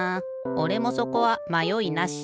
おれもそこはまよいなし。